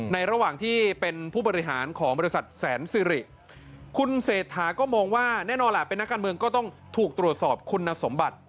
ระหว่างที่เป็นผู้บริหารของบริษัทแสนสิริคุณเศรษฐาก็มองว่าแน่นอนล่ะเป็นนักการเมืองก็ต้องถูกตรวจสอบคุณสมบัติ